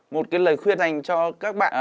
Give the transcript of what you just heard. một lời khuyên dành cho các bạn